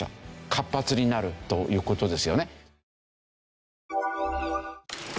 活発になるという事ですよね。